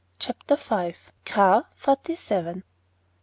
CHAPTER V. CAR FORTY SEVEN.